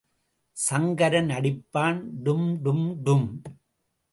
சங்கரன் அடிப்பான் டும்டும்டும்.